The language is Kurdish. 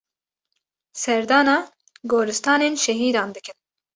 Serdana goristanên şehîdan dikin.